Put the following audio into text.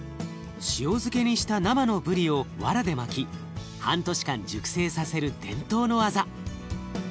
塩漬けにした生の鰤をワラで巻き半年間熟成させる伝統の技。